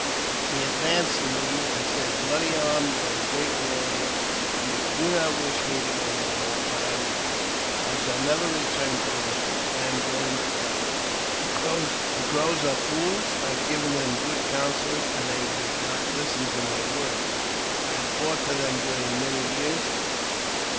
He advanced to me, and said, "Bloody Arm, you are a great v^arrior ; you do not wish me to go to war, but I will. I shall never return to the village. I am going to die. The Crows are fools. I have given them good counsel, and they would not listen to my words. I have fought for them during many years.